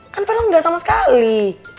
kan padahal ga sama sekali